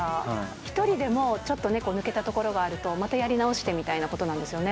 １人でもちょっとね、抜けたところがあると、またやり直してみたいなことなんですよね。